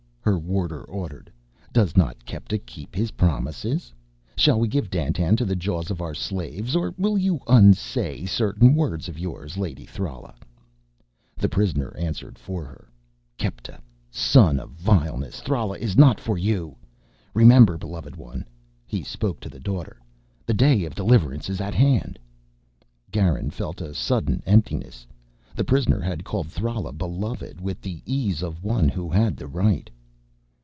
her warder ordered. "Does not Kepta keep his promises? Shall we give Dandtan into the jaws of our slaves, or will you unsay certain words of yours, Lady Thrala?" The prisoner answered for her. "Kepta, son of vileness, Thrala is not for you. Remember, beloved one," he spoke to the Daughter, "the day of deliverance is at hand " Garin felt a sudden emptiness. The prisoner had called Thrala "beloved" with the ease of one who had the right.